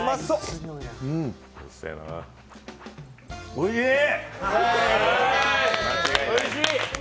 おいしい！